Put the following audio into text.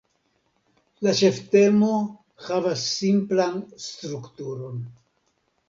La ĉeftemo havas simplaj strukturon.